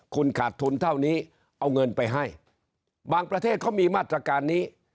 คุณขาดทุนเท่านี้เอาเงินไปให้บางประเทศเขามีมาตรการนี้